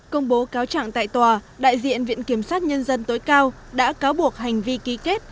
công bố cáo trạng tại tòa đại diện viện kiểm sát nhân dân tối cao đã cáo buộc hành vi ký kết